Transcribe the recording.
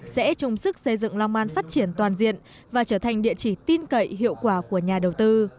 sẽ chung sức xây dựng long an phát triển toàn diện và trở thành địa chỉ tin cậy hiệu quả của nhà đầu tư